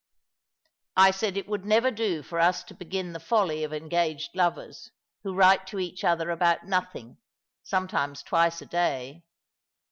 " I said it would never do for us to begin the folly of engaged lovers, who write to each other about nothing, sometimes twice a day.